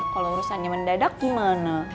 kalo urusannya mendadak gimana